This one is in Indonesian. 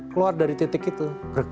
keluar dari titik itu